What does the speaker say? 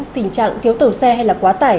tình trạng thiếu tàu xe hay là quá tải